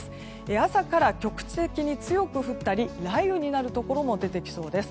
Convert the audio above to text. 朝から局地的に強く降ったり雷雨になるところも出てきそうです。